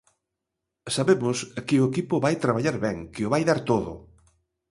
Sabemos que o equipo vai traballar ben, que o vai dar todo.